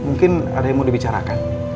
mungkin ada yang mau dibicarakan